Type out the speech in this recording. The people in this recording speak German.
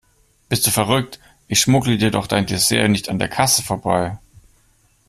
Bist du verrückt, ich schmuggle dir doch dein Dessert nicht an der Kasse vorbei.